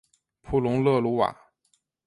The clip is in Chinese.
普龙勒鲁瓦。